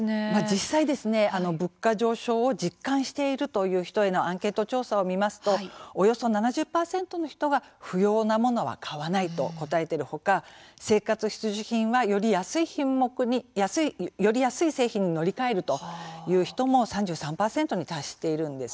実際ですね、物価上昇を実感しているという人へのアンケート調査を見ますとおよそ７０％の人が不要なものは買わないと答えている他生活必需品はより安い製品に乗り換えるという人も３３％に達しているんですね。